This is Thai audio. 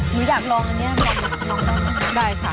หนูอยากลองอันนี้ลองได้ไหมครับ